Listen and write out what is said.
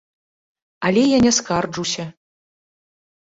Але я не скарджуся.